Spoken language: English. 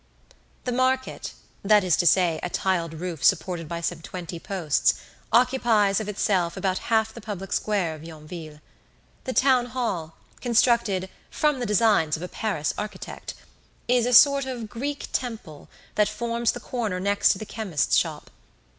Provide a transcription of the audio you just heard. The market, that is to say, a tiled roof supported by some twenty posts, occupies of itself about half the public square of Yonville. The town hall, constructed "from the designs of a Paris architect," is a sort of Greek temple that forms the corner next to the chemist's shop.